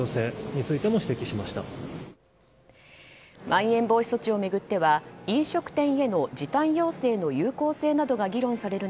まん延防止措置を巡っては飲食店への時短要請の有効性などが議論される